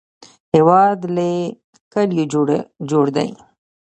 هېواد له کلیو جوړ دی